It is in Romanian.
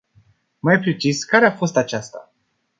Mai precis, care a fost aceasta?